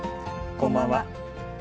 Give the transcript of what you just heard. こんばんは。